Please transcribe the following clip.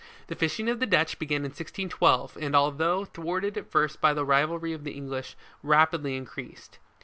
The fishing of the Dutch began in 16 12, and, although thwarted at first by the rivalry of the English, rapidly increased.